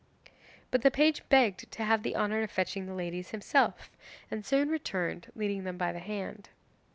But the page begged to have the honour of fetching the ladies himself, and soon returned leading them by the hand.